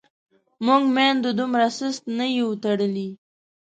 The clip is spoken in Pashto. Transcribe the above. موږ میندو دومره سست نه یو تړلي.